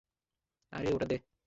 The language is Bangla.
আরে, ওটা দে।